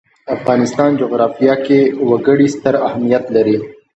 د افغانستان جغرافیه کې وګړي ستر اهمیت لري.